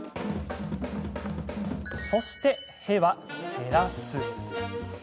そして「へ」は、減らす。